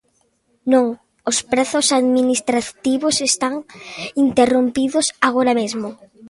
Non, os prazos administrativos están interrompidos agora mesmo.